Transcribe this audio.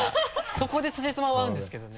そこでつじつまは合うんですけどね。